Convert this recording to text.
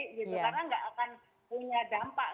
karena tidak akan punya dampak